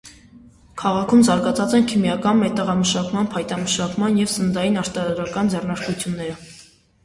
Քաղաքում զարգացած են քիմիական, մետաղամշակման, փայտամշակման և սննդային արտադրական ձեռնարկությունները։